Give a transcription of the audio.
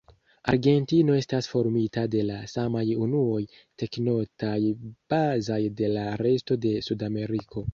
Argentino estas formita de la samaj unuoj tektonaj bazaj de la resto de Sudameriko.